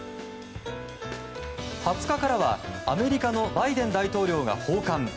２０日からはアメリカのバイデン大統領が訪韓。